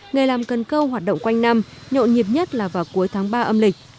người làm cân câu hoạt động quanh năm nhộn nhiệt nhất là vào cuối tháng ba âm lịch